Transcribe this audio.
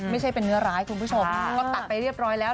ไม่ใช่เป็นเนื้อร้ายคุณผู้ชมก็ตัดไปเรียบร้อยแล้ว